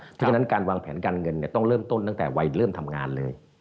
เพราะฉะนั้นการวางแผนการเงินต้องเริ่มต้นตั้งแต่วัยเริ่มทำงานเลย